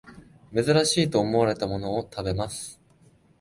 珍しいと思われたものを食べます